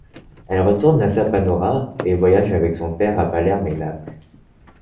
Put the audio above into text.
Elle retourne à Saponara et voyage avec son père à Palerme et Naples.